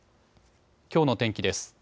きょうの天気です。